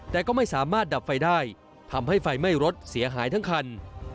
แต่ก็ไม่สามารถดับไฟได้ทำให้ไฟไหม้รถเสียหายทั้งคัน